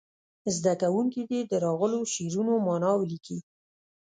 زده کوونکي دې د راغلو شعرونو معنا ولیکي.